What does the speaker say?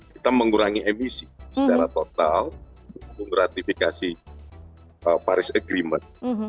kita mengurangi emisi secara total untuk menggratifikasi paris agreement